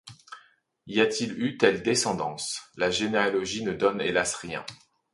Y a-t-il eu telle descendance, la généalogie ne donne hélas rien.